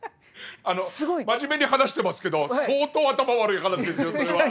真面目に話してますけど相当頭悪い話ですよそれは。